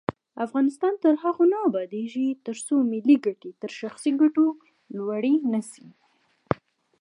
افغانستان تر هغو نه ابادیږي، ترڅو ملي ګټې تر شخصي ګټو لوړې نشي.